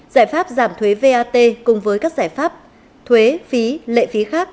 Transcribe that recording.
giải pháp giảm thuế vat cùng với các giải pháp thuế phí lệ phí khác